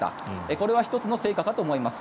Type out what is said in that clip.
これは１つの成果かと思います。